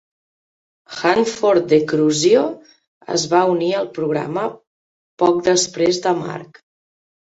Hanford de Cruzio es va unir al programa poc després de Mark.